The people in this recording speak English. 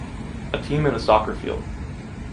A team in a soccer field.